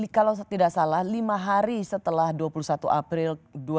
kalau tidak salah lima hari setelah dua puluh satu april dua ribu dua puluh